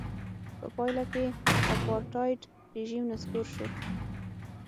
په پایله کې اپارټایډ رژیم نسکور شو.